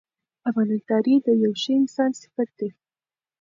امانتداري د یو ښه انسان صفت دی.